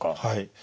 はい。